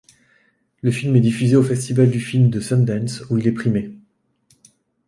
Le film est diffusé au festival du film de Sundance où il est primé.